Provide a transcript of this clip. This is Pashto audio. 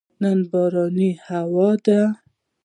نن بارانې هوا ده